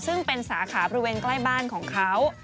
ซึ่งเป็นสาขาบริเวณใกล้บ้านของเขา